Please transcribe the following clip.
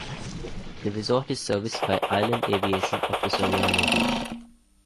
The resort is serviced by Island Aviation of the Soriano group.